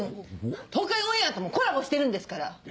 東海オンエアともコラボしてるんですから！